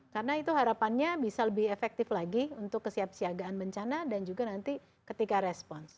karena itu harapannya bisa lebih efektif lagi untuk kesiap siagaan bencana dan juga nanti ketika respons